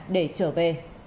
để trở về